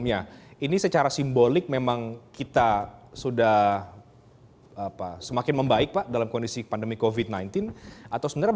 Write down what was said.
yang memberikan konsekuensisomething yang batas their team a lot